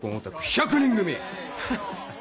１００人